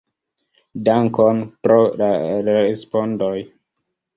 Dankon pro la respondoj!